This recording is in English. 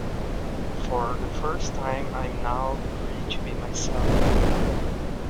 For the first time I am now free to be myself.